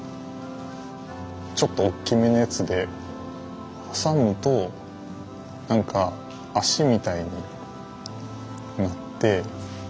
ちょっと大きめのやつで挟むと何か足みたいになって。